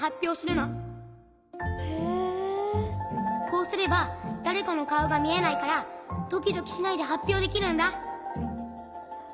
こうすればだれかのかおがみえないからドキドキしないではっぴょうできるんだ。